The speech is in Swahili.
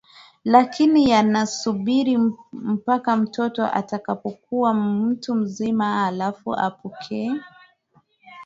lakini yanasubiri mpaka mtoto atakapokuwa mtu mzima halafu apokee